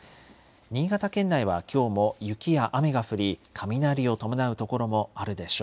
新潟県内はきょうも雪や雨が降り、雷を伴う所もあるでしょう。